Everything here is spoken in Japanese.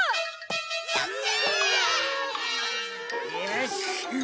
よし！